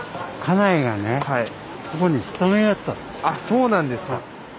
あっそうなんですか。